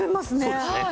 そうですね。